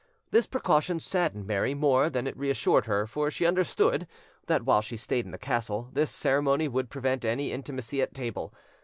This precaution saddened Mary more than it reassured her; for she understood that, while she stayed in the castle, this ceremony would prevent any intimacy at table.